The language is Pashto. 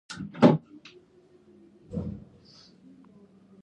په ګيلاس کې يې بوره واچوله.